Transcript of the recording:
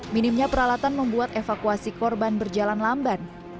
minimnya peralatan membuat evakuasi korban berjalan lamban